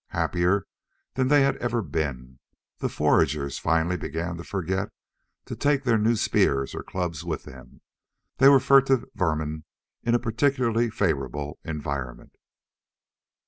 Happier than they had ever been, the foragers finally began to forget to take their new spears or clubs with them. They were furtive vermin in a particularly favorable environment.